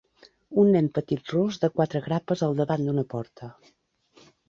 Un nen petit ros de quatre grapes al davant d'una porta.